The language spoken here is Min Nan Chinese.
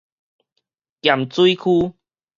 鹽水區